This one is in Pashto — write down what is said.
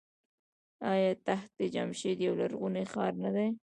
آیا تخت جمشید یو لرغونی ښار نه دی؟